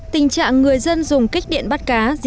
tình trạng người dân dùng kích điện bắt cá